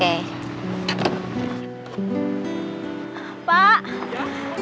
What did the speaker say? tak siap pak